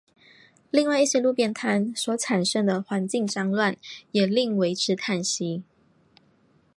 另外一些路边摊所产生的环境脏乱也令为之叹息。